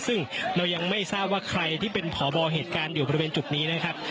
ซึ่งเรายังไม่ทราบว่าใครที่เป็นผอบอเหตุการณ์อยู่บริเวณจุดนี้นะครับ